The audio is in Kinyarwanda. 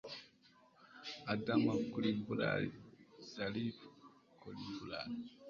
Adama Coulibaly [Salif Coulibaly]